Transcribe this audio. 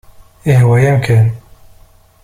Yehwa-yam kan.